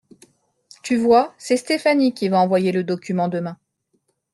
Tu vois, c'est Stéphanie qui va envoyer le document demain.